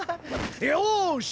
よし！